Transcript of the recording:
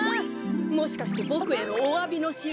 もしかしてボクへのおわびのしるしなのかな。